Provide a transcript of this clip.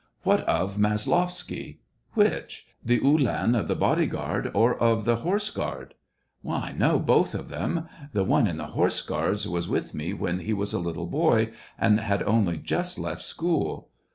" What of Maslovsky }"*' Which } the uhlan of the body guard or of the horse guard .?"" I know both of them. The one in the horse guards was with me when he was a little boy, and had only just left school.